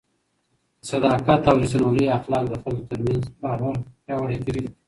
د صداقت او رښتینولۍ اخلاق د خلکو ترمنځ باور پیاوړی کوي.